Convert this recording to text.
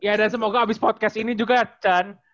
iya dan semoga abis podcast ini juga chan